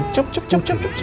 cukup cukup cukup cukup saya